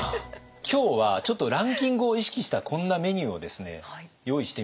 今日はちょっとランキングを意識したこんなメニューを用意してみました。